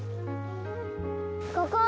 ここ！